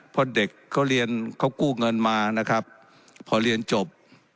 เพราะเด็กเขาเรียนเขากู้เงินมานะครับพอเรียนจบ